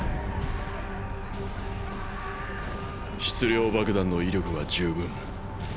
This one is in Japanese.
質量爆弾の威力は十分。